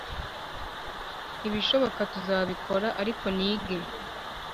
Ibishoboka tuzabikora ariko nige